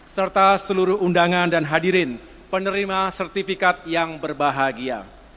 serta seluruh undangan dan hadirin penerima sertifikat yang berbahagia